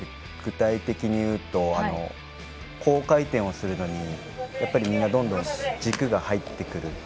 具体的に言うと高回転をするのにみんなどんどん軸が入ってくる。